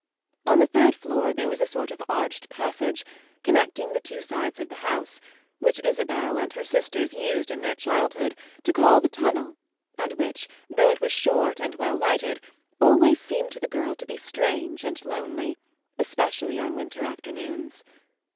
On the third floor there was a sort of arched passage, connecting the two sides of the house, which Isabel and her sisters used in their childhood to call the tunnel and which, though it was short and well lighted, always seemed to the girl to be strange and lonely, especially on winter afternoons.